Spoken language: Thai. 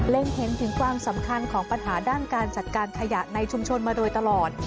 เห็นถึงความสำคัญของปัญหาด้านการจัดการขยะในชุมชนมาโดยตลอด